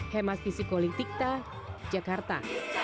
hemas fisikolik tikta jakarta